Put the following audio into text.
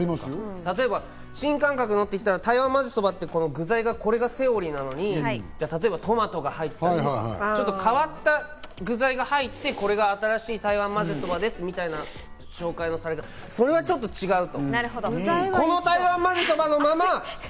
例えば新感覚のって言ったら、台湾まぜそばって具材はこれがセオリーなのに例えばトマトが入ってるとか、ちょっと変わった具材が入って、これが新しい台湾まぜそばですみたいな紹介のされ方、それはちょっと違うと。